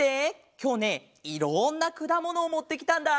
きょうねいろんなくだものをもってきたんだ！